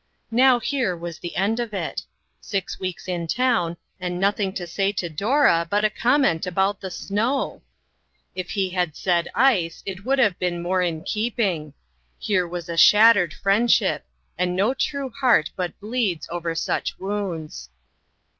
Now here was the end of it. Six weeks in town, at;d nothing to say to Dora but a comment LOST FRIENDS. 2$ 1 about the snow ! If he had said ice, it would have been more in keeping. Here was a shattered friendship; and no true heart but bleeds over such wounds.